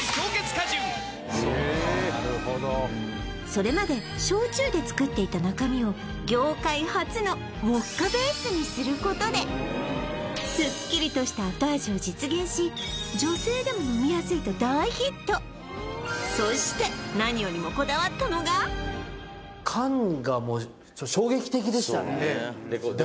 それまで焼酎でつくっていた中身を業界初のウォッカベースにすることでスッキリとした後味を実現し女性でも飲みやすいと大ヒットそして何よりもこだわったのがでしたね